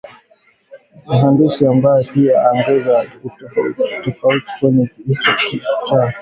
Mhandisi ambaye pia anaongoza utafiti kwenye chuo kikuu cha Makerere amesema kwamba hatua hiyo imechochewa na ongezeko la vifo